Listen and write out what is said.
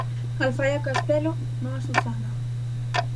Alfaia Castelo, Noa Susana.